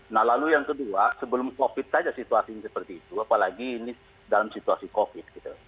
nah lalu yang kedua sebelum covid saja situasinya seperti itu apalagi ini dalam situasi covid gitu